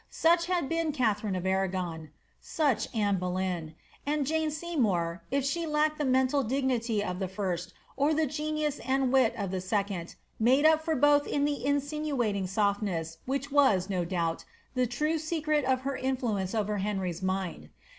Such had been Katharine of Arragnn ; such Anne Boleyn ; and Jane Seymour, if she lacked the mental dignity of the first, or the genius and wit of the second, made up for both in the insinuating softness, which was, no doubt, the true secret of her influence over Henry's mind.